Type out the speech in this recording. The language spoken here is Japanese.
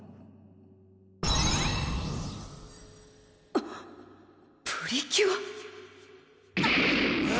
はっプリキュア！